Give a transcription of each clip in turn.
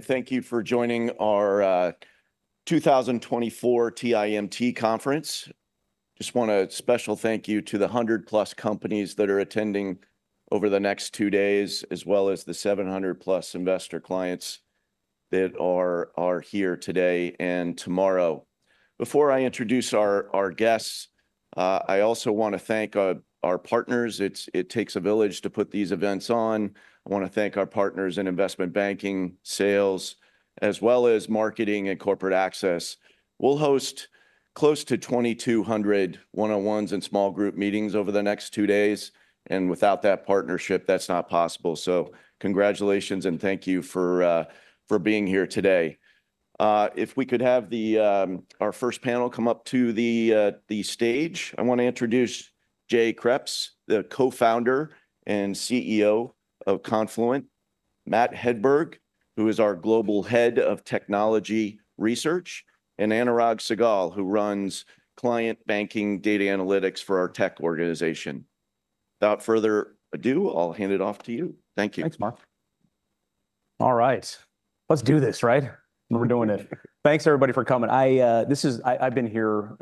Thank you for joining our 2024 TIMT Conference. Just want a special thank you to the 100-plus companies that are attending over the next two days, as well as the 700-plus investor clients that are here today and tomorrow. Before I introduce our guests, I also want to thank our partners. It takes a village to put these events on. I want to thank our partners in investment banking, sales, as well as marketing and corporate access. We'll host close to 2,200 one-on-ones and small group meetings over the next two days. Without that partnership, that's not possible. Congratulations, and thank you for being here today. If we could have our first panel come up to the stage, I want to introduce Jay Kreps, the co-founder and CEO of Confluent, Matt Hedberg, who is our global head of technology research, and Anurag Sehgal, who runs client banking data analytics for our tech organization. Without further ado, I'll hand it off to you. Thank you. Thanks, Marc. All right, let's do this, right? We're doing it. Thanks, everybody, for coming. This is. I've been here.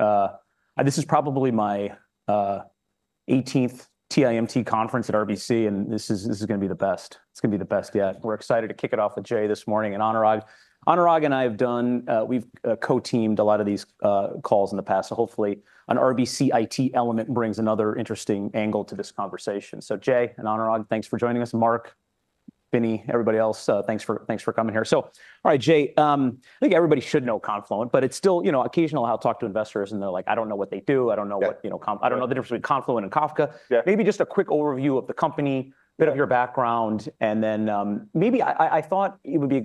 This is probably my 18th TIMT Conference at RBC, and this is going to be the best. It's going to be the best yet. We're excited to kick it off with Jay this morning, and Anurag, Anurag and I have done. We've co-teamed a lot of these calls in the past, so hopefully, an RBC IT element brings another interesting angle to this conversation, so Jay and Anurag, thanks for joining us. Marc, Vinny, everybody else, thanks for coming here, so all right, Jay, I think everybody should know Confluent, but it's still, you know, occasionally I'll talk to investors and they're like, "I don't know what they do. I don't know what, you know, I don't know the difference between Confluent and Kafka." Maybe just a quick overview of the company, a bit of your background, and then maybe I thought it would be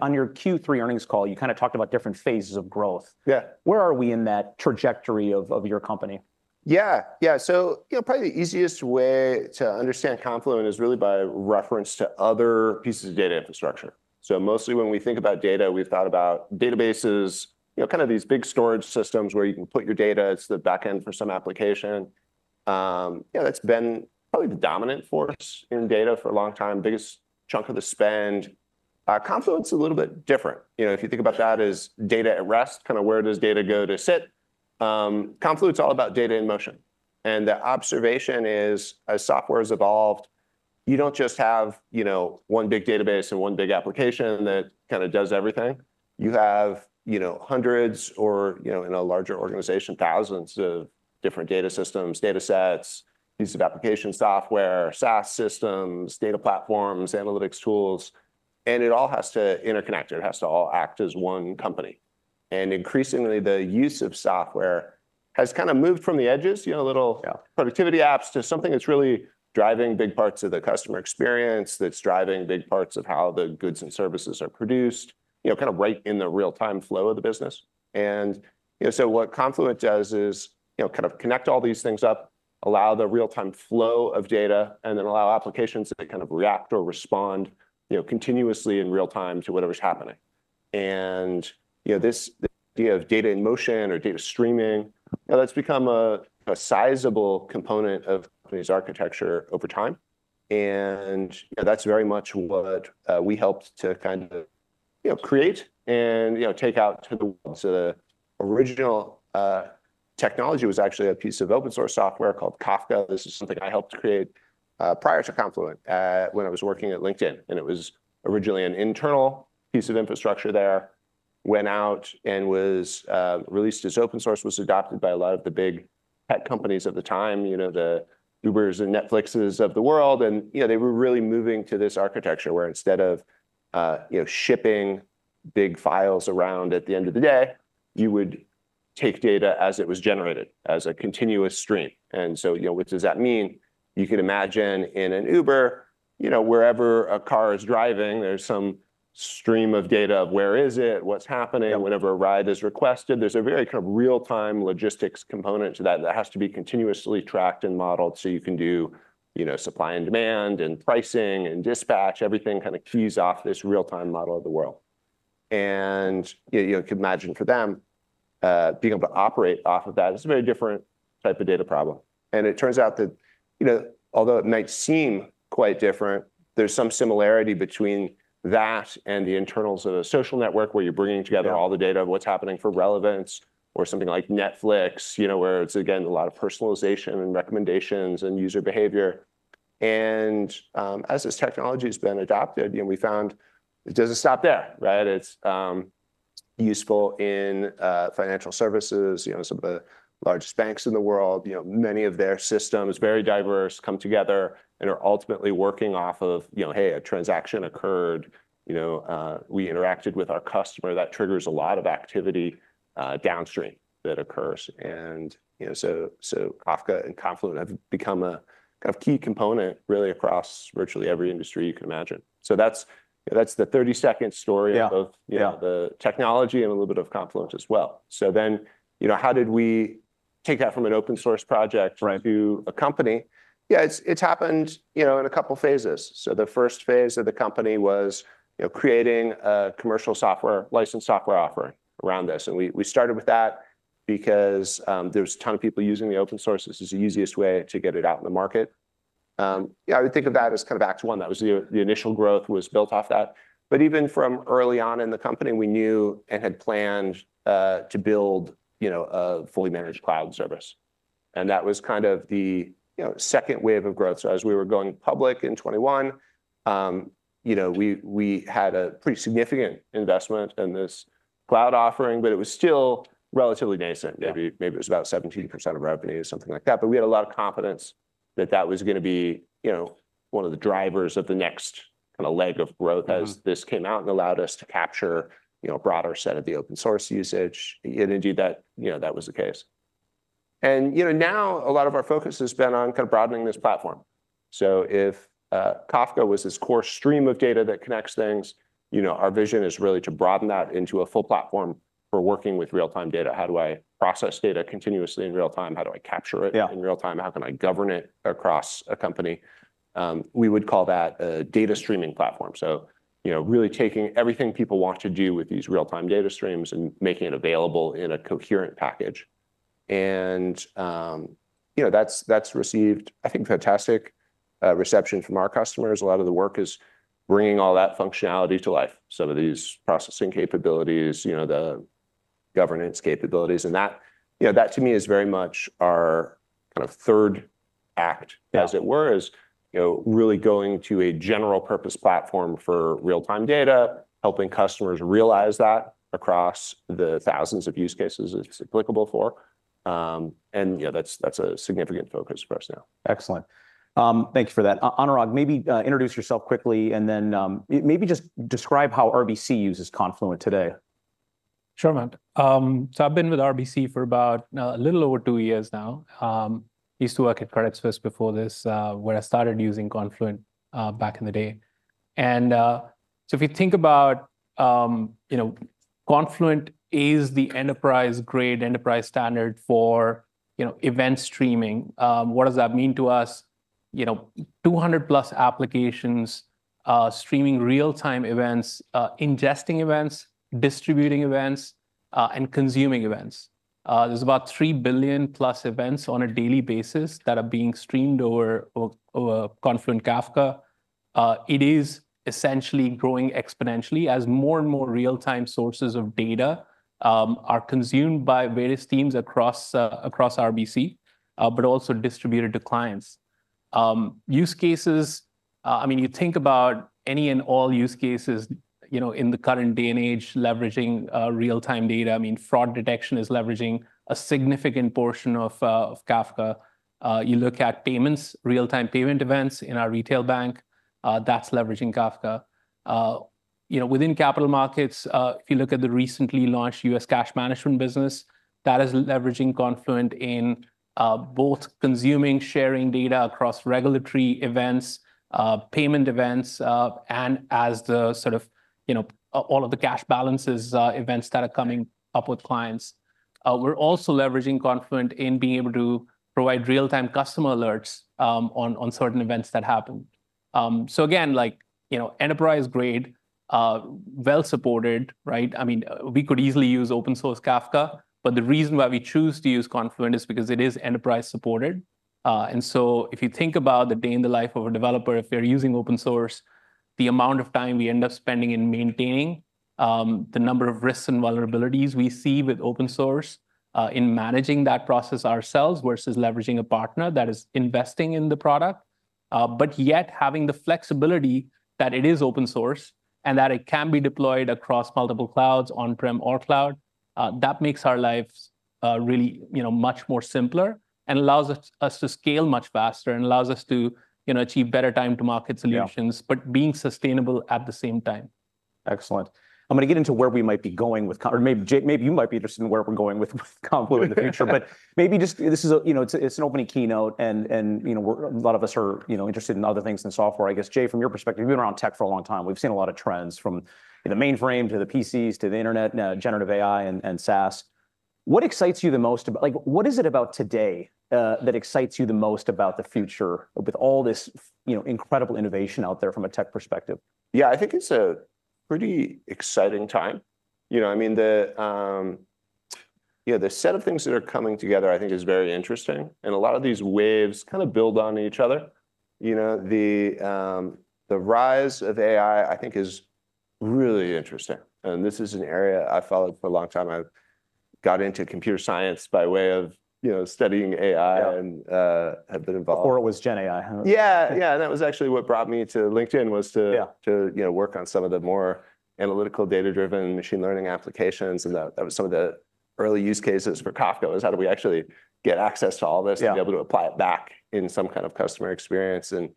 on your Q3 earnings call, you kind of talked about different phases of growth. Yeah, where are we in that trajectory of your company? Yeah, yeah. So you know, probably the easiest way to understand Confluent is really by reference to other pieces of data infrastructure. So mostly when we think about data, we've thought about databases, you know, kind of these big storage systems where you can put your data. It's the back end for some application. You know, that's been probably the dominant force in data for a long time, biggest chunk of the spend. Confluent's a little bit different. You know, if you think about that as data at rest, kind of where does data go to sit? Confluent's all about data in motion. And the observation is, as software has evolved, you don't just have, you know, one big database and one big application that kind of does everything. You have, you know, hundreds or, you know, in a larger organization, thousands of different data systems, data sets, pieces of application software, SaaS systems, data platforms, analytics tools, and it all has to interconnect. It has to all act as one company, and increasingly, the use of software has kind of moved from the edges, you know, little productivity apps to something that's really driving big parts of the customer experience, that's driving big parts of how the goods and services are produced, you know, kind of right in the real-time flow of the business, and you know, so what Confluent does is, you know, kind of connect all these things up, allow the real-time flow of data, and then allow applications to kind of react or respond, you know, continuously in real-time to whatever's happening. You know, this idea of data in motion or data streaming, you know, that's become a sizable component of the company's architecture over time. You know, that's very much what we helped to kind of, you know, create and, you know, take out to the world. The original technology was actually a piece of open-source software called Kafka. This is something I helped create prior to Confluent when I was working at LinkedIn. And it was originally an internal piece of infrastructure there, went out and was released as open source, was adopted by a lot of the big tech companies of the time, you know, the Ubers and Netflixes of the world. And you know, they were really moving to this architecture where instead of, you know, shipping big files around at the end of the day, you would take data as it was generated as a continuous stream. And so, you know, what does that mean? You can imagine in an Uber, you know, wherever a car is driving, there's some stream of data of where is it, what's happening, whenever a ride is requested. There's a very kind of real-time logistics component to that that has to be continuously tracked and modeled so you can do, you know, supply and demand and pricing and dispatch, everything kind of keys off this real-time model of the world. And you know, you can imagine for them being able to operate off of that. It's a very different type of data problem. It turns out that, you know, although it might seem quite different, there's some similarity between that and the internals of a social network where you're bringing together all the data of what's happening for relevance or something like Netflix, you know, where it's, again, a lot of personalization and recommendations and user behavior. As this technology has been adopted, you know, we found it doesn't stop there, right? It's useful in financial services, you know, some of the largest banks in the world, you know, many of their systems, very diverse, come together and are ultimately working off of, you know, hey, a transaction occurred, you know, we interacted with our customer. That triggers a lot of activity downstream that occurs. You know, so Kafka and Confluent have become a kind of key component really across virtually every industry you can imagine. So that's the 30-second story of both, you know, the technology and a little bit of Confluent as well. So then, you know, how did we take that from an open-source project to a company? Yeah, it's happened, you know, in a couple of phases. So the first phase of the company was, you know, creating a commercial software licensed software offering around this. And we started with that because there's a ton of people using the open source. This is the easiest way to get it out in the market. Yeah, I would think of that as kind of act one. That was the initial growth was built off that. But even from early on in the company, we knew and had planned to build, you know, a fully managed cloud service. And that was kind of the, you know, second wave of growth. So as we were going public in 2021, you know, we had a pretty significant investment in this cloud offering, but it was still relatively nascent. Maybe it was about 17% of revenue, something like that. But we had a lot of confidence that that was going to be, you know, one of the drivers of the next kind of leg of growth as this came out and allowed us to capture, you know, a broader set of the open-source usage. And indeed that, you know, that was the case. And you know, now a lot of our focus has been on kind of broadening this platform. So if Kafka was this core stream of data that connects things, you know, our vision is really to broaden that into a full platform for working with real-time data. How do I process data continuously in real-time? How do I capture it in real-time? How can I govern it across a company? We would call that a data streaming platform, so you know, really taking everything people want to do with these real-time data streams and making it available in a coherent package, and you know, that's received, I think, fantastic reception from our customers. A lot of the work is bringing all that functionality to life. Some of these processing capabilities, you know, the governance capabilities, and that, you know, that to me is very much our kind of third act, as it were, is, you know, really going to a general-purpose platform for real-time data, helping customers realize that across the thousands of use cases it's applicable for, and you know, that's a significant focus for us now. Excellent. Thank you for that. Anurag, maybe introduce yourself quickly and then maybe just describe how RBC uses Confluent today. Sure, Matt. So I've been with RBC for about a little over two years now. I used to work at Credit Suisse before this, where I started using Confluent back in the day. And so if you think about, you know, Confluent is the enterprise-grade enterprise standard for, you know, event streaming. What does that mean to us? You know, 200-plus applications streaming real-time events, ingesting events, distributing events, and consuming events. There's about 3 billion-plus events on a daily basis that are being streamed over Confluent Kafka. It is essentially growing exponentially as more and more real-time sources of data are consumed by various teams across RBC, but also distributed to clients. Use cases, I mean, you think about any and all use cases, you know, in the current day and age leveraging real-time data. I mean, fraud detection is leveraging a significant portion of Kafka. You look at payments, real-time payment events in our retail bank, that's leveraging Kafka. You know, within capital markets, if you look at the recently launched U.S. cash management business, that is leveraging Confluent in both consuming, sharing data across regulatory events, payment events, and as the sort of, you know, all of the cash balances events that are coming up with clients. We're also leveraging Confluent in being able to provide real-time customer alerts on certain events that happen. So again, like, you know, enterprise-grade, well-supported, right? I mean, we could easily use open-source Kafka, but the reason why we choose to use Confluent is because it is enterprise-supported. And so, if you think about the day in the life of a developer, if they're using open-source, the amount of time we end up spending in maintaining the number of risks and vulnerabilities we see with open-source in managing that process ourselves versus leveraging a partner that is investing in the product, but yet having the flexibility that it is open-source and that it can be deployed across multiple clouds, on-prem or cloud, that makes our lives really, you know, much more simpler and allows us to scale much faster and allows us to, you know, achieve better time-to-market solutions, but being sustainable at the same time. Excellent. I'm going to get into where we might be going with, or maybe Jay, maybe you might be interested in where we're going with Confluent in the future, but maybe just this is a, you know, it's an opening keynote and, you know, a lot of us are, you know, interested in other things than software. I guess, Jay, from your perspective, you've been around tech for a long time. We've seen a lot of trends from the mainframe to the PCs to the internet, generative AI and SaaS. What excites you the most about, like, what is it about today that excites you the most about the future with all this, you know, incredible innovation out there from a tech perspective? Yeah, I think it's a pretty exciting time. You know, I mean, the, you know, the set of things that are coming together, I think, is very interesting. And a lot of these waves kind of build on each other. You know, the rise of AI, I think, is really interesting. And this is an area I followed for a long time. I got into computer science by way of, you know, studying AI and have been involved. Before it was GenAI. Yeah, yeah. And that was actually what brought me to LinkedIn was to, you know, work on some of the more analytical data-driven machine learning applications. And that was some of the early use cases for Kafka was how do we actually get access to all this and be able to apply it back in some kind of customer experience. And,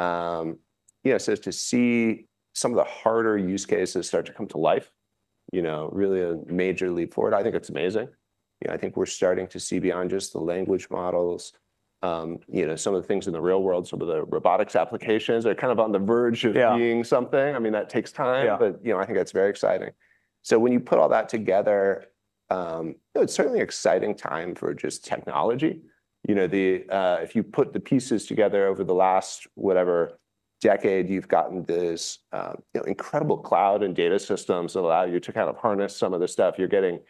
you know, so to see some of the harder use cases start to come to life, you know, really a major leap forward, I think it's amazing. You know, I think we're starting to see beyond just the language models, you know, some of the things in the real world, some of the robotics applications are kind of on the verge of being something. I mean, that takes time, but, you know, I think that's very exciting. So when you put all that together, it's certainly an exciting time for just technology. You know, if you put the pieces together over the last whatever decade, you've gotten this, you know, incredible cloud and data systems that allow you to kind of harness some of the stuff. You're getting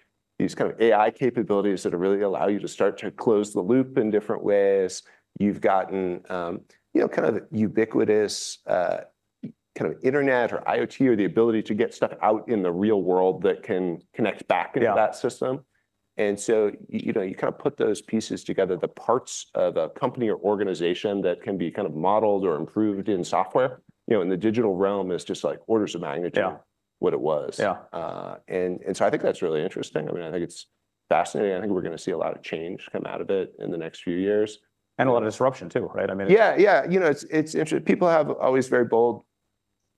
these kind of AI capabilities that really allow you to start to close the loop in different ways. You've gotten, you know, kind of ubiquitous kind of internet or IoT or the ability to get stuff out in the real world that can connect back into that system. And so, you know, you kind of put those pieces together, the parts of a company or organization that can be kind of modeled or improved in software, you know, in the digital realm is just like orders of magnitude what it was. Yeah. And so I think that's really interesting. I mean, I think it's fascinating. I think we're going to see a lot of change come out of it in the next few years. A lot of disruption too, right? I mean. Yeah, yeah. You know, it's interesting. People have always very bold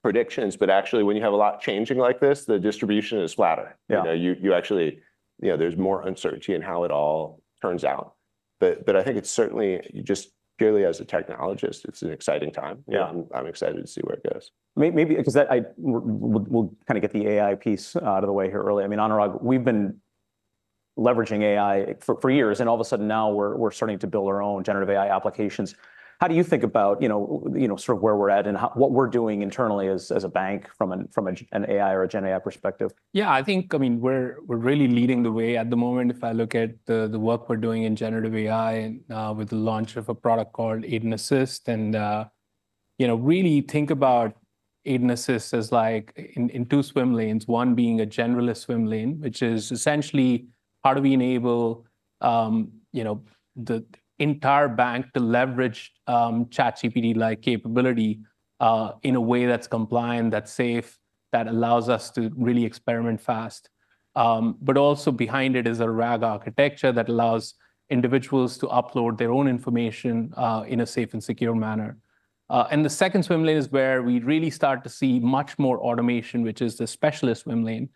predictions, but actually when you have a lot changing like this, the distribution is flatter. You know, you actually, you know, there's more uncertainty in how it all turns out. But I think it's certainly just purely as a technologist, it's an exciting time. Yeah, I'm excited to see where it goes. Maybe because we'll kind of get the AI piece out of the way here early. I mean, Anurag, we've been leveraging AI for years, and all of a sudden now we're starting to build our own generative AI applications. How do you think about, you know, sort of where we're at and what we're doing internally as a bank from an AI or a GenAI perspective? Yeah, I think, I mean, we're really leading the way at the moment. If I look at the work we're doing in generative AI with the launch of a product called Aiden Assist and, you know, really think about Aiden Assist as like in two swim lanes, one being a generalist swim lane, which is essentially how do we enable, you know, the entire bank to leverage ChatGPT-like capability in a way that's compliant, that's safe, that allows us to really experiment fast. But also behind it is a RAG architecture that allows individuals to upload their own information in a safe and secure manner. And the second swim lane is where we really start to see much more automation, which is the specialist swim lane,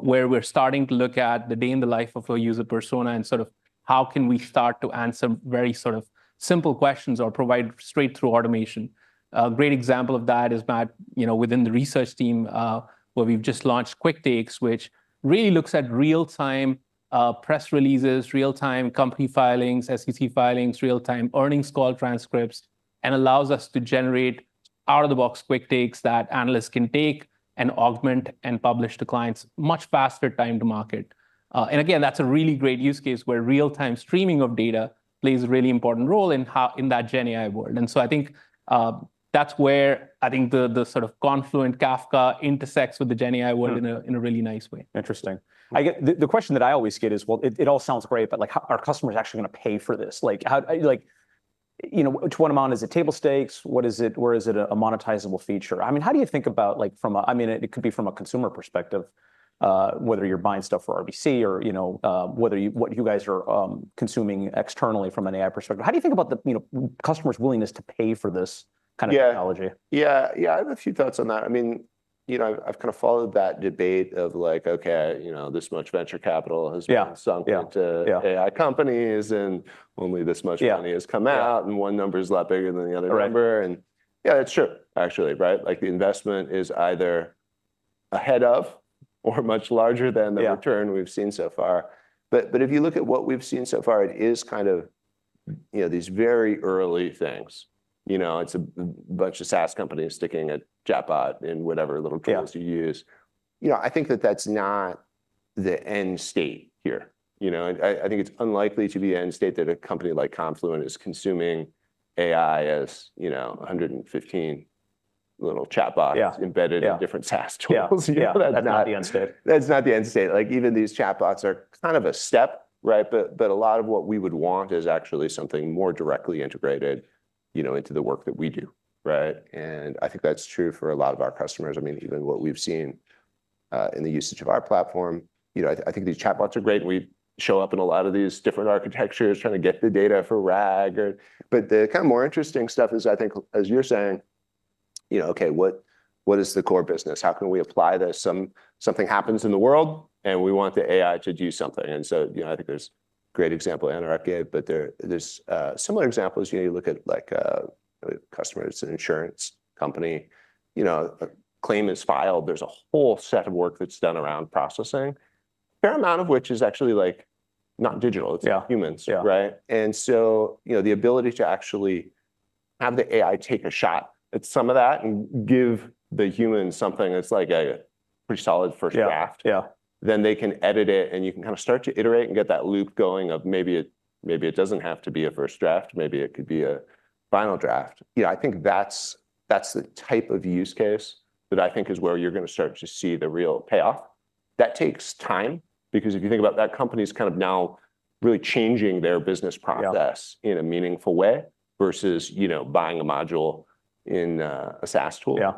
where we're starting to look at the day in the life of a user persona and sort of how can we start to answer very sort of simple questions or provide straight-through automation. A great example of that is, Matt, you know, within the research team where we've just launched Quick Takes, which really looks at real-time press releases, real-time company filings, SEC filings, real-time earnings call transcripts, and allows us to generate out-of-the-box quick takes that analysts can take and augment and publish to clients much faster time to market. And again, that's a really great use case where real-time streaming of data plays a really important role in that GenAI world. I think that's where I think the sort of Confluent Kafka intersects with the GenAI world in a really nice way. Interesting. I guess the question that I always get is, well, it all sounds great, but like are customers actually going to pay for this? Like how, you know, to what amount is it table stakes? What is it? Where is it a monetizable feature? I mean, how do you think about, like from a, I mean, it could be from a consumer perspective, whether you're buying stuff for RBC or, you know, whether you, what you guys are consuming externally from an AI perspective, how do you think about the, you know, customers' willingness to pay for this kind of technology? Yeah, yeah, yeah. I have a few thoughts on that. I mean, you know, I've kind of followed that debate of like, okay, you know, this much venture capital has been sunk into AI companies and only this much money has come out and one number is a lot bigger than the other number. And yeah, it's true, actually, right? Like the investment is either ahead of or much larger than the return we've seen so far. But if you look at what we've seen so far, it is kind of, you know, these very early things. You know, it's a bunch of SaaS companies sticking a chatbot in whatever little tools you use. You know, I think that that's not the end state here. You know, I think it's unlikely to be the end state that a company like Confluent is consuming AI as, you know, 115 little chatbots embedded in different SaaS tools. Yeah, that's not the end state. That's not the end state. Like even these chatbots are kind of a step, right? But a lot of what we would want is actually something more directly integrated, you know, into the work that we do, right? And I think that's true for a lot of our customers. I mean, even what we've seen in the usage of our platform, you know, I think these chatbots are great. We show up in a lot of these different architectures trying to get the data for RAG. But the kind of more interesting stuff is I think, as you're saying, you know, okay, what is the core business? How can we apply this? Something happens in the world and we want the AI to do something. And so, you know, I think there's a great example Anurag gave, but there's similar examples. You know, you look at like a customer that's an insurance company, you know, a claim is filed. There's a whole set of work that's done around processing, a fair amount of which is actually like not digital. It's humans, right, and so, you know, the ability to actually have the AI take a shot at some of that and give the human something that's like a pretty solid first draft, then they can edit it and you can kind of start to iterate and get that loop going of maybe it doesn't have to be a first draft. Maybe it could be a final draft. You know, I think that's the type of use case that I think is where you're going to start to see the real payoff. That takes time because if you think about that company's kind of now really changing their business process in a meaningful way versus, you know, buying a module in a SaaS tool. Yeah,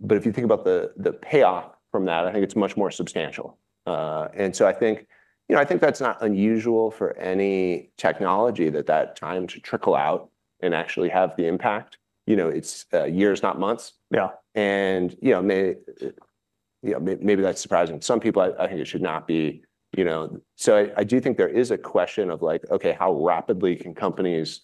but if you think about the payoff from that, I think it's much more substantial, and so I think, you know, I think that's not unusual for any technology that that time to trickle out and actually have the impact. You know, it's years, not months. Yeah, and you know, maybe that's surprising. Some people, I think it should not be, you know, so I do think there is a question of like, okay, how rapidly can companies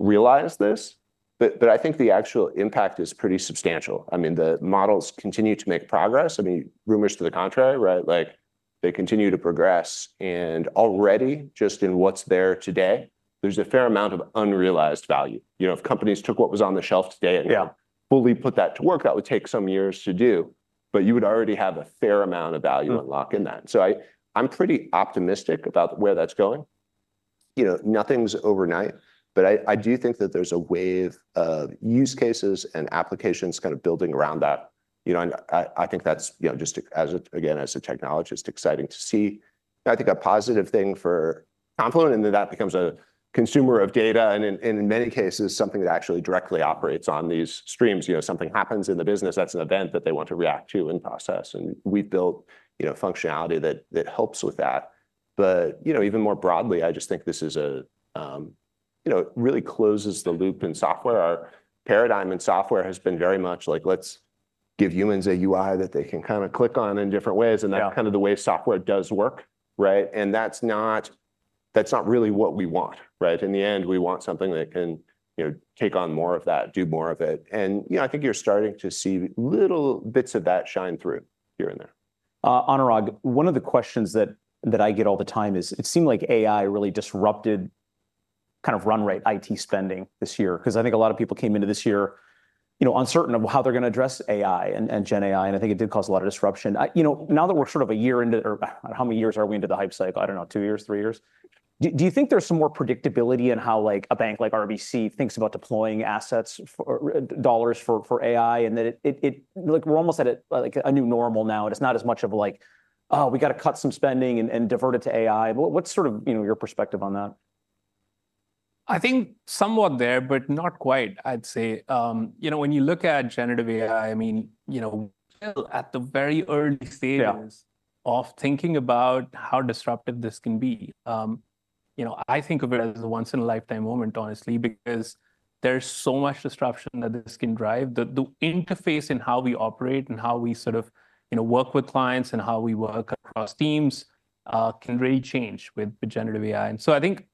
realize this, but I think the actual impact is pretty substantial. I mean, the models continue to make progress. I mean, rumors to the contrary, right? Like they continue to progress. Already just in what's there today, there's a fair amount of unrealized value. You know, if companies took what was on the shelf today and fully put that to work, that would take some years to do, but you would already have a fair amount of value unlocked in that. So I'm pretty optimistic about where that's going. You know, nothing's overnight, but I do think that there's a wave of use cases and applications kind of building around that. You know, and I think that's, you know, just as, again, as a technologist, exciting to see. I think a positive thing for Confluent and then that becomes a consumer of data and in many cases something that actually directly operates on these streams. You know, something happens in the business, that's an event that they want to react to and process. We've built, you know, functionality that helps with that. You know, even more broadly, I just think this is a, you know, really closes the loop in software. Our paradigm in software has been very much like, let's give humans a UI that they can kind of click on in different ways. That's kind of the way software does work, right? That's not, that's not really what we want, right? In the end, we want something that can, you know, take on more of that, do more of it. You know, I think you're starting to see little bits of that shine through here and there. Anurag, one of the questions that I get all the time is, it seemed like AI really disrupted kind of run rate IT spending this year because I think a lot of people came into this year, you know, uncertain of how they're going to address AI and GenAI, and I think it did cause a lot of disruption. You know, now that we're sort of a year into it, or how many years are we into the hype cycle? I don't know, two years, three years? Do you think there's some more predictability in how like a bank like RBC thinks about deploying assets for dollars for AI and that it, like we're almost at like a new normal now and it's not as much of like, oh, we got to cut some spending and divert it to AI? What's sort of, you know, your perspective on that? I think somewhat there, but not quite, I'd say. You know, when you look at generative AI, I mean, you know, still at the very early stages of thinking about how disruptive this can be. You know, I think of it as a once-in-a-lifetime moment, honestly, because there's so much disruption that this can drive. The interface in how we operate and how we sort of, you know, work with clients and how we work across teams can really change with generative AI. And so I think,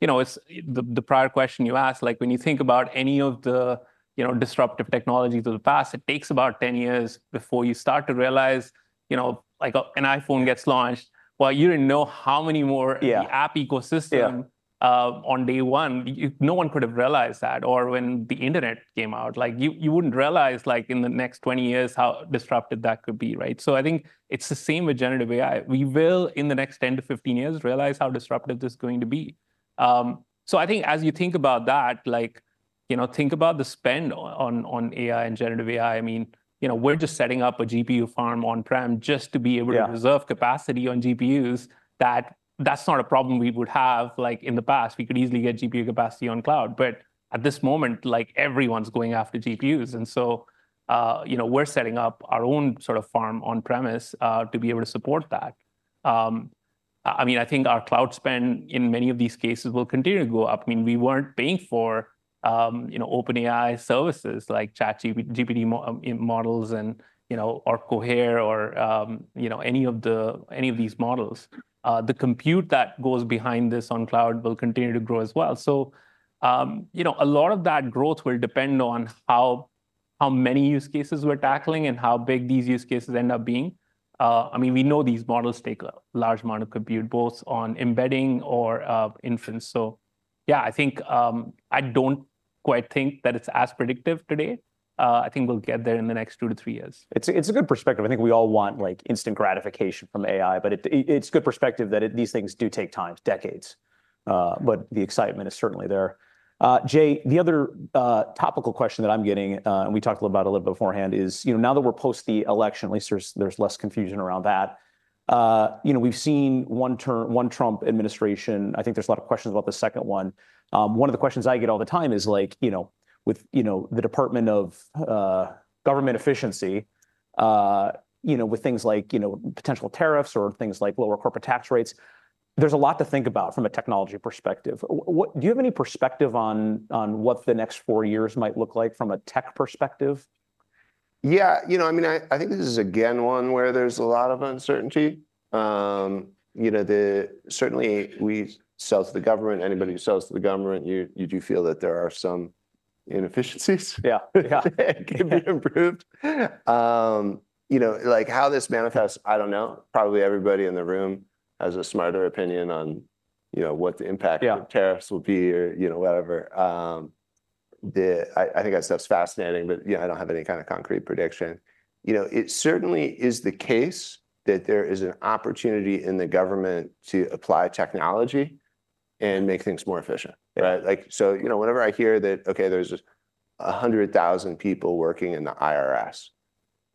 you know, it's the prior question you asked, like when you think about any of the, you know, disruptive technologies of the past, it takes about 10 years before you start to realize, you know, like an iPhone gets launched. Well, you didn't know how many more in the app ecosystem on day one. No one could have realized that. Or when the internet came out, like you wouldn't realize like in the next 20 years how disruptive that could be, right? So I think it's the same with generative AI. We will in the next 10 to 15 years realize how disruptive this is going to be. So I think as you think about that, like, you know, think about the spend on AI and generative AI. I mean, you know, we're just setting up a GPU farm on-prem just to be able to reserve capacity on GPUs. That's not a problem we would have like in the past. We could easily get GPU capacity on cloud. But at this moment, like everyone's going after GPUs. And so, you know, we're setting up our own sort of farm on-premise to be able to support that. I mean, I think our cloud spend in many of these cases will continue to go up. I mean, we weren't paying for, you know, OpenAI services like ChatGPT models and, you know, or Cohere or, you know, any of these models. The compute that goes behind this on cloud will continue to grow as well. So, you know, a lot of that growth will depend on how many use cases we're tackling and how big these use cases end up being. I mean, we know these models take a large amount of compute, both on embedding or inference. So yeah, I think I don't quite think that it's as predictive today. I think we'll get there in the next two to three years. It's a good perspective. I think we all want like instant gratification from AI, but it's a good perspective that these things do take time, decades. But the excitement is certainly there. Jay, the other topical question that I'm getting, and we talked a little bit about it beforehand is, you know, now that we're post the election, at least there's less confusion around that. You know, we've seen one Trump administration. I think there's a lot of questions about the second one. One of the questions I get all the time is like, you know, with, you know, the Department of Government Efficiency, you know, with things like, you know, potential tariffs or things like lower corporate tax rates, there's a lot to think about from a technology perspective. Do you have any perspective on what the next four years might look like from a tech perspective? Yeah, you know, I mean, I think this is again one where there's a lot of uncertainty. You know, certainly we sell to the government. Anybody who sells to the government, you do feel that there are some inefficiencies that can be improved. You know, like how this manifests, I don't know. Probably everybody in the room has a smarter opinion on, you know, what the impact of tariffs will be or, you know, whatever. I think that stuff's fascinating, but, you know, I don't have any kind of concrete prediction. You know, it certainly is the case that there is an opportunity in the government to apply technology and make things more efficient, right? Like, so, you know, whenever I hear that, okay, there's 100,000 people working in the IRS,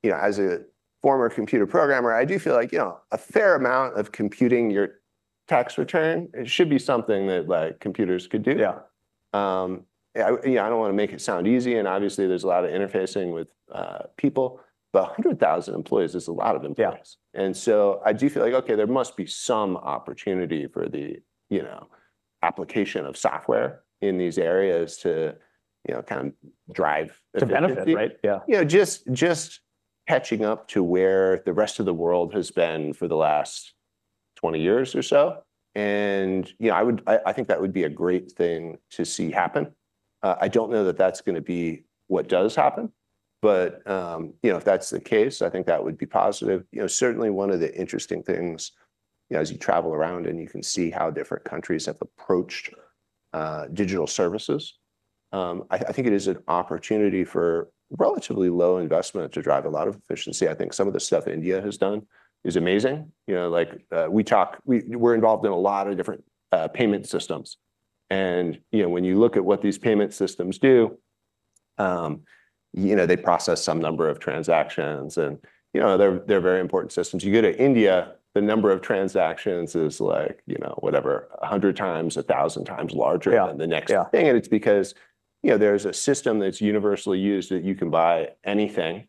you know, as a former computer programmer, I do feel like, you know, a fair amount of computing your tax return, it should be something that like computers could do. Yeah. Yeah, I don't want to make it sound easy, and obviously there's a lot of interfacing with people, but 100,000 employees is a lot of employees, and so I do feel like, okay, there must be some opportunity for the, you know, application of software in these areas to, you know, kind of drive efficiency. To benefit, right? Yeah. You know, just catching up to where the rest of the world has been for the last 20 years or so. And, you know, I think that would be a great thing to see happen. I don't know that that's going to be what does happen, but, you know, if that's the case, I think that would be positive. You know, certainly one of the interesting things, you know, as you travel around and you can see how different countries have approached digital services, I think it is an opportunity for relatively low investment to drive a lot of efficiency. I think some of the stuff India has done is amazing. You know, like we talk, we're involved in a lot of different payment systems. And, you know, when you look at what these payment systems do, you know, they process some number of transactions and, you know, they're very important systems. You go to India, the number of transactions is like, you know, whatever, 100 times, 1,000 times larger than the next thing. And it's because, you know, there's a system that's universally used that you can buy anything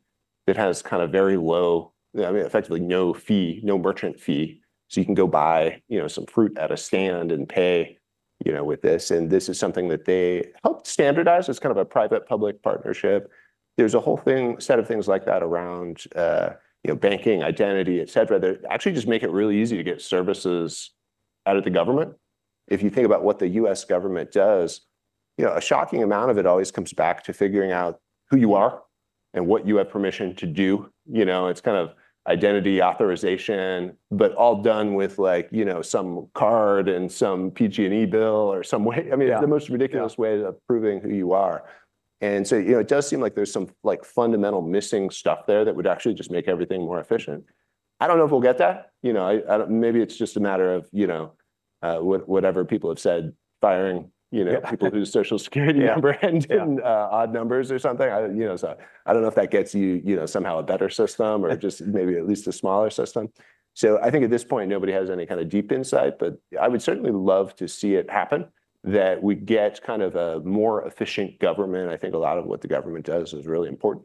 that has kind of very low, I mean, effectively no fee, no merchant fee. So you can go buy, you know, some fruit at a stand and pay, you know, with this. And this is something that they helped standardize. It's kind of a private-public partnership. There's a whole thing, set of things like that around, you know, banking, identity, et cetera. They actually just make it really easy to get services out of the government. If you think about what the U.S. Government does, you know, a shocking amount of it always comes back to figuring out who you are and what you have permission to do. You know, it's kind of identity authorization, but all done with like, you know, some card and some PG&E bill or some way. I mean, it's the most ridiculous way of proving who you are. And so, you know, it does seem like there's some like fundamental missing stuff there that would actually just make everything more efficient. I don't know if we'll get that. You know, maybe it's just a matter of, you know, whatever people have said, firing, you know, people whose Social Security number ends in odd numbers or something. You know, so I don't know if that gets you, you know, somehow a better system or just maybe at least a smaller system. So I think at this point, nobody has any kind of deep insight, but I would certainly love to see it happen that we get kind of a more efficient government. I think a lot of what the government does is really important.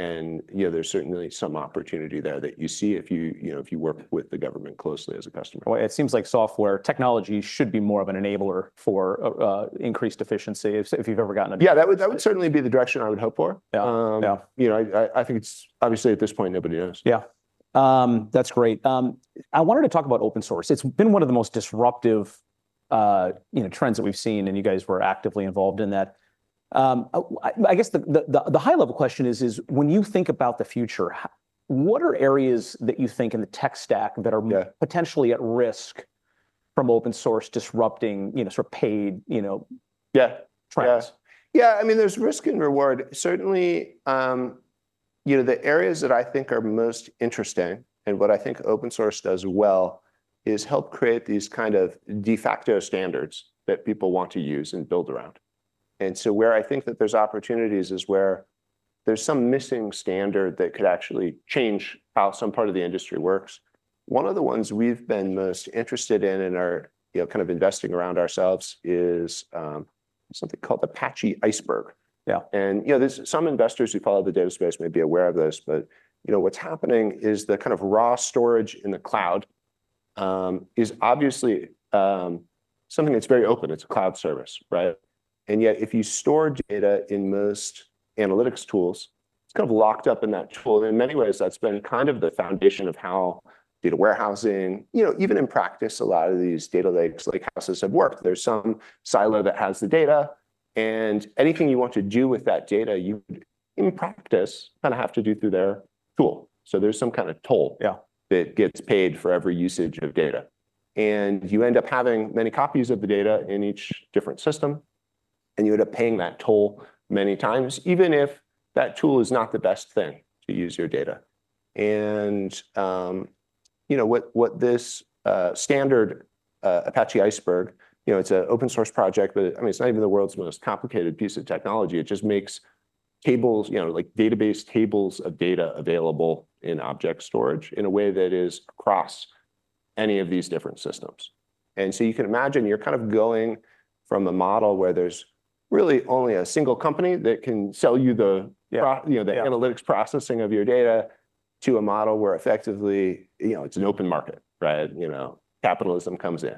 And, you know, there's certainly some opportunity there that you see if you, you know, if you work with the government closely as a customer. It seems like software technology should be more of an enabler for increased efficiency if you've ever gotten a job. Yeah, that would certainly be the direction I would hope for. Yeah. You know, I think it's obviously at this point, nobody knows. Yeah. That's great. I wanted to talk about open source. It's been one of the most disruptive, you know, trends that we've seen and you guys were actively involved in that. I guess the high-level question is, when you think about the future, what are areas that you think in the tech stack that are potentially at risk from open source disrupting, you know, sort of paid, you know, tracks? Yeah. Yeah. I mean, there's risk and reward. Certainly, you know, the areas that I think are most interesting and what I think open source does well is help create these kind of de facto standards that people want to use and build around. And so where I think that there's opportunities is where there's some missing standard that could actually change how some part of the industry works. One of the ones we've been most interested in and are, you know, kind of investing around ourselves is something called Apache Iceberg. Yeah. And, you know, there's some investors who follow the data space may be aware of this, but, you know, what's happening is the kind of raw storage in the cloud is obviously something that's very open. It's a cloud service, right? And yet if you store data in most analytics tools, it's kind of locked up in that tool. And in many ways, that's been kind of the foundation of how data warehousing, you know, even in practice, a lot of these data lakes lakehouses have worked. There's some silo that has the data. And anything you want to do with that data, you would in practice kind of have to do through their tool. So there's some kind of toll that gets paid for every usage of data. And you end up having many copies of the data in each different system. And you end up paying that toll many times, even if that tool is not the best thing to use your data. You know, what this standard Apache Iceberg, you know, it's an open source project, but I mean, it's not even the world's most complicated piece of technology. It just makes tables, you know, like database tables of data available in object storage in a way that is across any of these different systems. So you can imagine you're kind of going from a model where there's really only a single company that can sell you the, you know, the analytics processing of your data to a model where effectively, you know, it's an open market, right? You know, capitalism comes in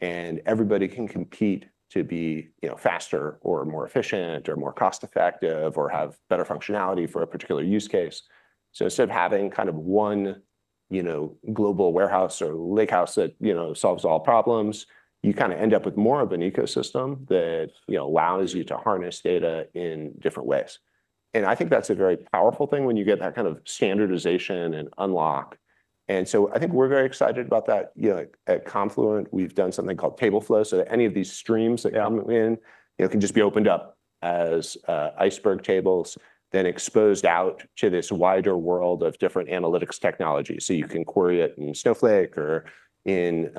and everybody can compete to be, you know, faster or more efficient or more cost-effective or have better functionality for a particular use case. So instead of having kind of one, you know, global warehouse or lakehouse that, you know, solves all problems, you kind of end up with more of an ecosystem that, you know, allows you to harness data in different ways. And I think that's a very powerful thing when you get that kind of standardization and unlock. And so I think we're very excited about that. You know, at Confluent, we've done something called TableFlow. So any of these streams that come in, you know, can just be opened up as iceberg tables, then exposed out to this wider world of different analytics technologies. So you can query it in Snowflake or in,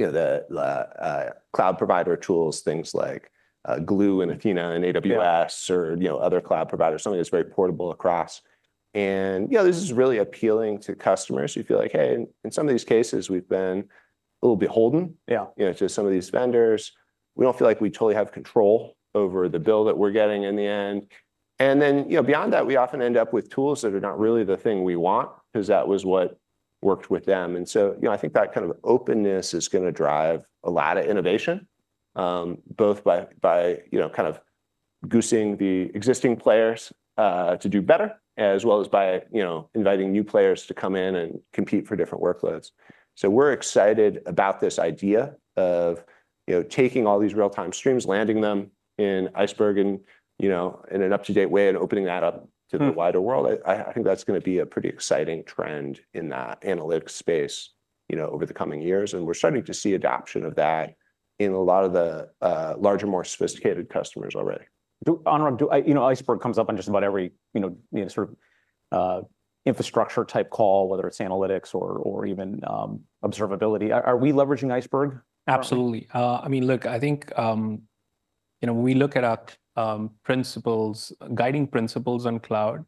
you know, the cloud provider tools, things like Glue and Athena and AWS or, you know, other cloud providers, something that's very portable across. And, you know, this is really appealing to customers. You feel like, hey, in some of these cases, we've been a little beholden, you know, to some of these vendors. We don't feel like we totally have control over the bill that we're getting in the end. And then, you know, beyond that, we often end up with tools that are not really the thing we want because that was what worked with them. And so, you know, I think that kind of openness is going to drive a lot of innovation, both by, you know, kind of goosing the existing players to do better, as well as by, you know, inviting new players to come in and compete for different workloads. So we're excited about this idea of, you know, taking all these real-time streams, landing them in Iceberg and, you know, in an up-to-date way and opening that up to the wider world. I think that's going to be a pretty exciting trend in that analytics space, you know, over the coming years, and we're starting to see adoption of that in a lot of the larger, more sophisticated customers already. Do you know, Iceberg comes up on just about every, you know, sort of infrastructure type call, whether it's analytics or even observability. Are we leveraging Iceberg? Absolutely. I mean, look, I think, you know, when we look at our principles, guiding principles on cloud,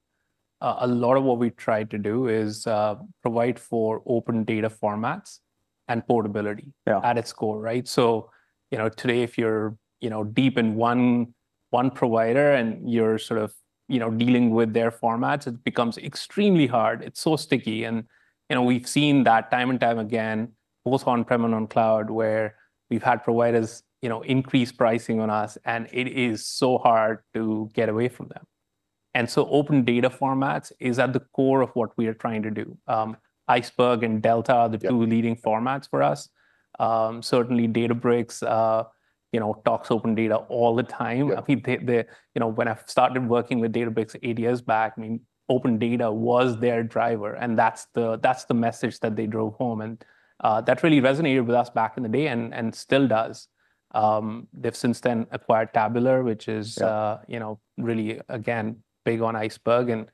a lot of what we try to do is provide for open data formats and portability at its core, right? So, you know, today, if you're, you know, deep in one provider and you're sort of, you know, dealing with their formats, it becomes extremely hard. It's so sticky, and, you know, we've seen that time and time again, both on-prem and on cloud, where we've had providers, you know, increase pricing on us, and it is so hard to get away from them, and so open data formats is at the core of what we are trying to do. Iceberg and Delta are the two leading formats for us. Certainly, Databricks, you know, talks open data all the time. I mean, you know, when I started working with Databricks eight years back, I mean, open data was their driver, and that really resonated with us back in the day and still does. They've since then acquired Tabular, which is, you know, really, again, big on Iceberg, and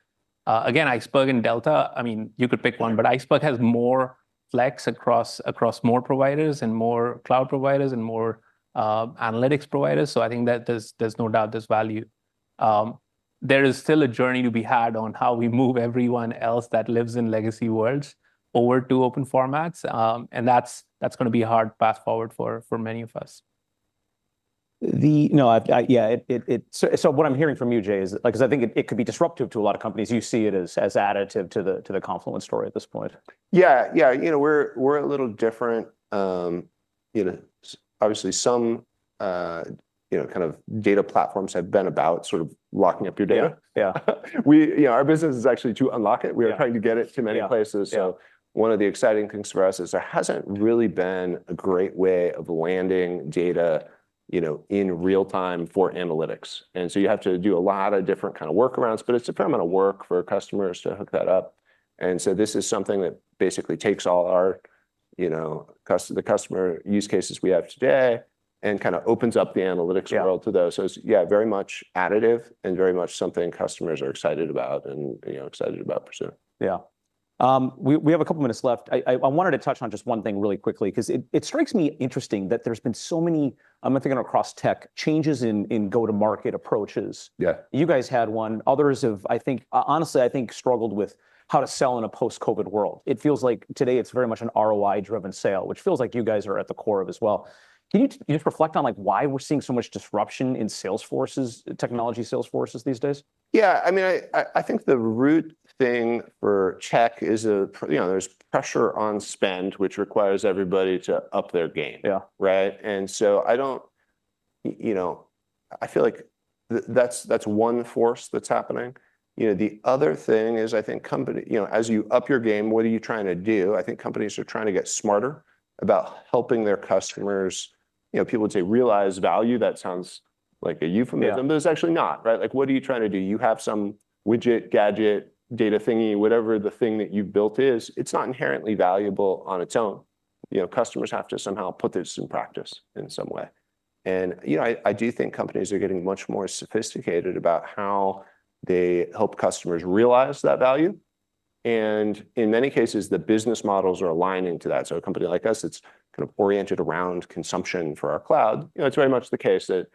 again, Iceberg and Delta, I mean, you could pick one, but Iceberg has more flex across more providers and more cloud providers and more analytics providers. So I think that there's no doubt there's value. There is still a journey to be had on how we move everyone else that lives in legacy worlds over to open formats, and that's going to be a hard path forward for many of us. No, yeah, so what I'm hearing from you, Jay, is because I think it could be disruptive to a lot of companies, you see it as additive to the Confluent story at this point. Yeah, yeah, you know, we're a little different. You know, obviously some, you know, kind of data platforms have been about sort of locking up your data. Yeah. We, you know, our business is actually to unlock it. We are trying to get it to many places. So one of the exciting things for us is there hasn't really been a great way of landing data, you know, in real time for analytics. And so you have to do a lot of different kind of workarounds, but it's a fair amount of work for customers to hook that up. And so this is something that basically takes all our, you know, the customer use cases we have today and kind of opens up the analytics world to those. So it's, yeah, very much additive and very much something customers are excited about and, you know, excited about pursuing. Yeah. We have a couple of minutes left. I wanted to touch on just one thing really quickly because it strikes me interesting that there's been so many, I'm thinking across tech, changes in go-to-market approaches. You guys had one. Others have, I think, honestly, I think struggled with how to sell in a post-COVID world. It feels like today it's very much an ROI-driven sale, which feels like you guys are at the core of as well. Can you just reflect on like why we're seeing so much disruption in sales forces, technology sales forces these days? Yeah, I mean, I think the root thing for tech is a, you know, there's pressure on spend, which requires everybody to up their game, right? And so I don't, you know, I feel like that's one force that's happening. You know, the other thing is I think company, you know, as you up your game, what are you trying to do? I think companies are trying to get smarter about helping their customers, you know, people to realize value. That sounds like a euphemism, but it's actually not, right? Like what are you trying to do? You have some widget, gadget, data thingy, whatever the thing that you've built is, it's not inherently valuable on its own. You know, customers have to somehow put this in practice in some way. You know, I do think companies are getting much more sophisticated about how they help customers realize that value. In many cases, the business models are aligning to that. A company like us, it's kind of oriented around consumption for our cloud. You know, it's very much the case that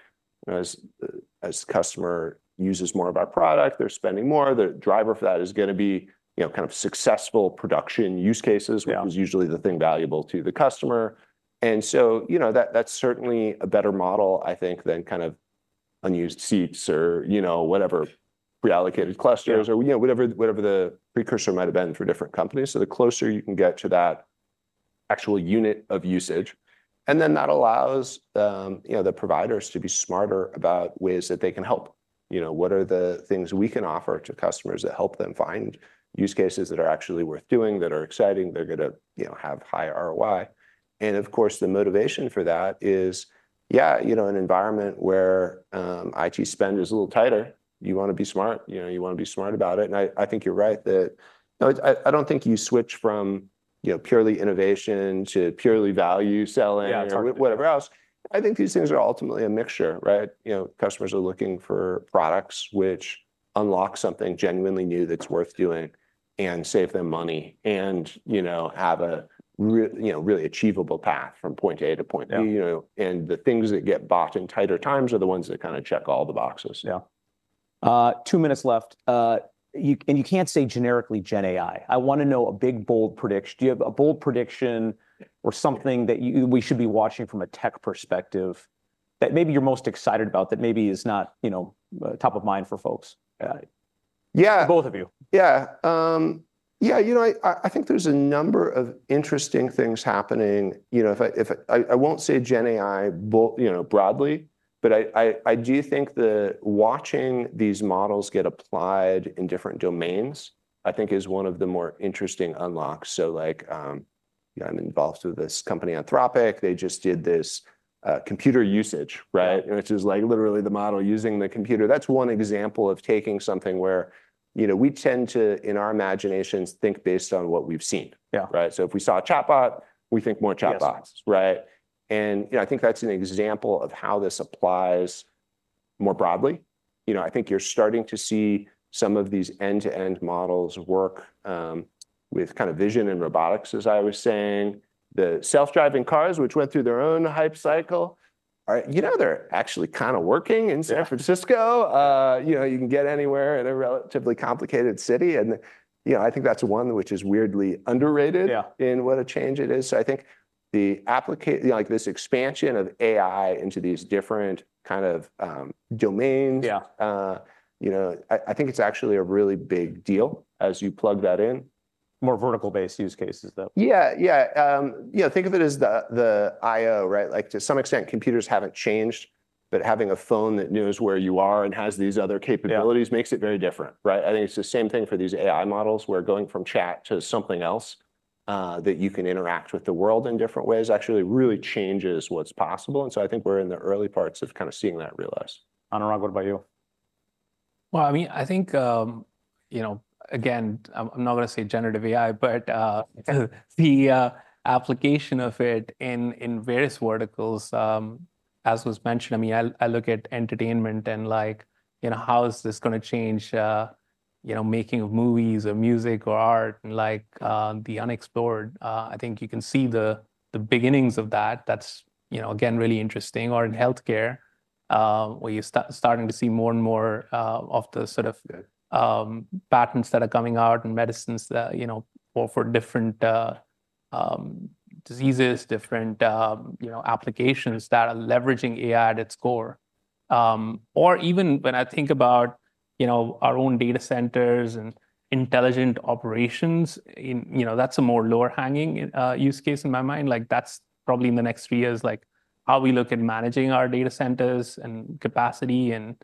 as customer uses more of our product, they're spending more. The driver for that is going to be, you know, kind of successful production use cases, which is usually the thing valuable to the customer. So, you know, that's certainly a better model, I think, than kind of unused seats or, you know, whatever pre-allocated clusters or, you know, whatever the precursor might have been for different companies. So the closer you can get to that actual unit of usage, and then that allows, you know, the providers to be smarter about ways that they can help. You know, what are the things we can offer to customers that help them find use cases that are actually worth doing, that are exciting, they're going to, you know, have high ROI. And of course, the motivation for that is, yeah, you know, an environment where IT spend is a little tighter. You want to be smart, you know, you want to be smart about it. And I think you're right that, you know, I don't think you switch from, you know, purely innovation to purely value selling or whatever else. I think these things are ultimately a mixture, right? You know, customers are looking for products which unlock something genuinely new that's worth doing and save them money and, you know, have a really achievable path from point A to point B, you know, and the things that get bought in tighter times are the ones that kind of check all the boxes. Yeah. Two minutes left, and you can't say generically GenAI. I want to know a big bold prediction. Do you have a bold prediction or something that we should be watching from a tech perspective that maybe you're most excited about that maybe is not, you know, top of mind for folks? Yeah. Both of you. Yeah. Yeah, you know, I think there's a number of interesting things happening. You know, I won't say Gen AI, you know, broadly, but I do think that watching these models get applied in different domains, I think is one of the more interesting unlocks. So like, you know, I'm involved with this company, Anthropic. They just did this computer usage, right? Which is like literally the model using the computer. That's one example of taking something where, you know, we tend to, in our imaginations, think based on what we've seen, right? So if we saw a chatbot, we think more chatbots, right? And, you know, I think that's an example of how this applies more broadly. You know, I think you're starting to see some of these end-to-end models work with kind of vision and robotics, as I was saying. The self-driving cars, which went through their own hype cycle, you know, they're actually kind of working in San Francisco. You know, you can get anywhere in a relatively complicated city. And, you know, I think that's one which is weirdly underrated in what a change it is. So I think the application, like this expansion of AI into these different kind of domains, you know, I think it's actually a really big deal as you plug that in. More vertical-based use cases though. Yeah, yeah. You know, think of it as the I/O, right? Like to some extent, computers haven't changed, but having a phone that knows where you are and has these other capabilities makes it very different, right? I think it's the same thing for these AI models where going from chat to something else that you can interact with the world in different ways actually really changes what's possible, and so I think we're in the early parts of kind of seeing that realized. Anurag, what about you? I mean, I think, you know, again, I'm not going to say generative AI, but the application of it in various verticals, as was mentioned. I mean, I look at entertainment and like, you know, how is this going to change, you know, making of movies or music or art and like the unexplored. I think you can see the beginnings of that. That's, you know, again, really interesting. Or in healthcare, where you're starting to see more and more of the sort of patents that are coming out and medicines that, you know, for different diseases, different, you know, applications that are leveraging AI at its core. Or even when I think about, you know, our own data centers and intelligent operations, you know, that's a more lower-hanging use case in my mind. Like that's probably in the next three years, like how we look at managing our data centers and capacity and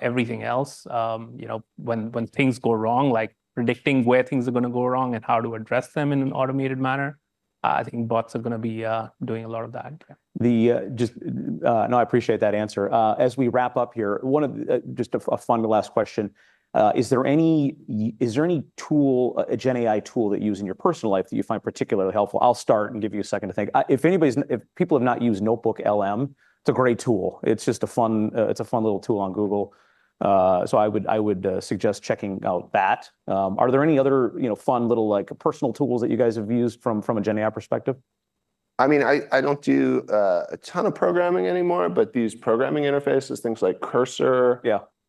everything else, you know, when things go wrong, like predicting where things are going to go wrong and how to address them in an automated manner. I think bots are going to be doing a lot of that. Just, no, I appreciate that answer. As we wrap up here, one of just a final last question. Is there any tool, a Gen AI tool that you use in your personal life that you find particularly helpful? I'll start and give you a second to think. If people have not used NotebookLM, it's a great tool. It's just a fun little tool on Google. So I would suggest checking out that. Are there any other, you know, fun little personal tools that you guys have used from a Gen AI perspective? I mean, I don't do a ton of programming anymore, but these programming interfaces, things like Cursor,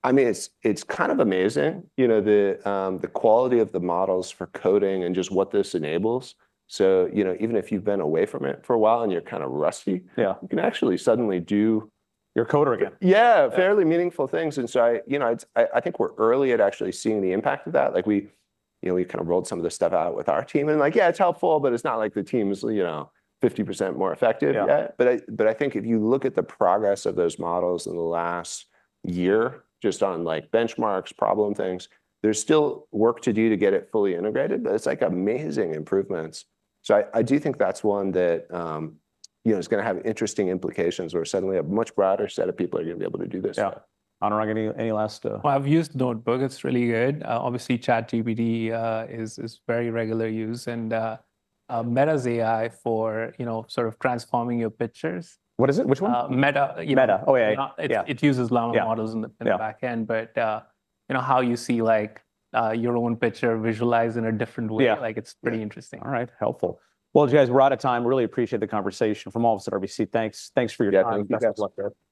I mean, it's kind of amazing, you know, the quality of the models for coding and just what this enables. So, you know, even if you've been away from it for a while and you're kind of rusty, you can actually suddenly do. You're a coder again. Yeah, fairly meaningful things, and so, you know, I think we're early at actually seeing the impact of that. Like we, you know, we kind of rolled some of this stuff out with our team and like, yeah, it's helpful, but it's not like the team is, you know, 50% more effective yet, but I think if you look at the progress of those models in the last year, just on like benchmarks, problem things, there's still work to do to get it fully integrated, but it's like amazing improvements, so I do think that's one that, you know, is going to have interesting implications where suddenly a much broader set of people are going to be able to do this. Yeah. Anurag, any last? I've used NotebookLM. It's really good. Obviously, ChatGPT is very regular use and Meta AI for, you know, sort of transforming your pictures. What is it? Which one? Meta. Meta. Oh, yeah. It uses a lot of models in the backend, but, you know, how you see like your own picture visualized in a different way. Like it's pretty interesting. All right. Helpful. Well, Jay, we're out of time. Really appreciate the conversation. From all of us at RBC, thanks. Thanks for your time. Yeah, thank you. You guys look there.